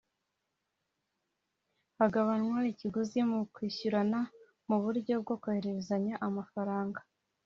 hagabanywa ikiguzi mu kwishyurana mu buryo bwo guhererekanya amafaranga (Cash Payment)